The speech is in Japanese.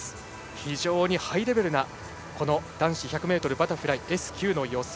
非常にハイレベルな男子１００ｍバタフライＳ９の予選。